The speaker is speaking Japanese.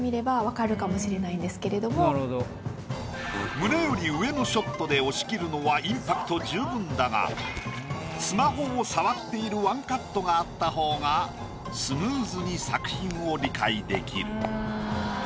胸より上のショットで押し切るのはインパクト十分だがスマホを触っているワンカットがあった方がスムーズに作品を理解できる。